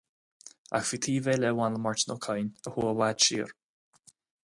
Ach bhí taobh eile a bhain le Máirtín Ó Cadhain a chuaigh i bhfad siar.